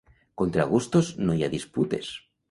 Contra gustos no hi ha disputes!